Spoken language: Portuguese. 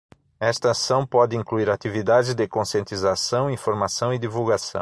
Esta ação pode incluir atividades de conscientização, informação e divulgação.